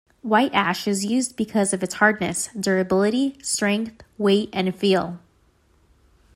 White ash is used because of its hardness, durability, strength, weight and feel.